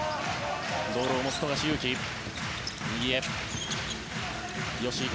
ボールを持つ富樫勇樹。